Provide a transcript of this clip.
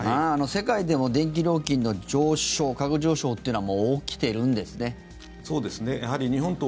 世界でも電気料金の上昇価格上昇というのはもう起きてるんですね。